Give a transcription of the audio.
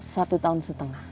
satu tahun setengah